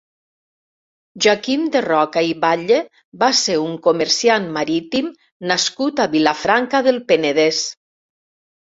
Joaquim de Roca i Batlle va ser un comerciant marítim nascut a Vilafranca del Penedès.